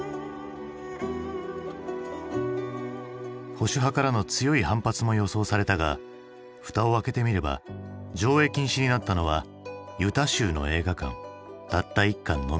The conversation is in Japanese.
保守派からの強い反発も予想されたが蓋を開けてみれば上映禁止になったのはユタ州の映画館たった１館のみ。